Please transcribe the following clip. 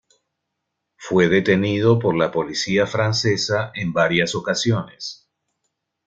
Fue detenido por la policía francesa en varias ocasiones.